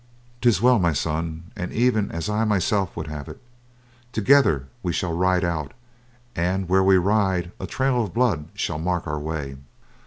"'Tis well, my son, and even as I myself would have it; together we shall ride out, and where we ride, a trail of blood shall mark our way.